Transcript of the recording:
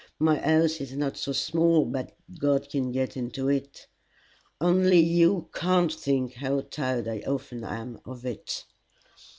My house is not so small but God can get into it. Only you can't think how tired I often am of it."